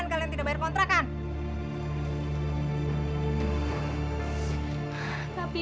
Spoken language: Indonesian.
saya sudah selesai